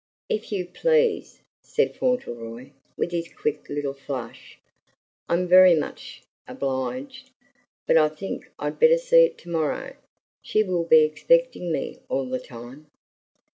"If you please," said Fauntleroy, with his quick little flush. "I'm very much obliged; but I think I'd better see it to morrow. She will be expecting me all the time."